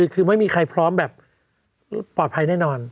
คือไม่มีใครพร้อมแบบปลอดภัยแน่นอน